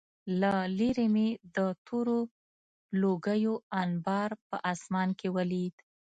له لېرې مې د تورو لوګیو انبار په آسمان کې ولید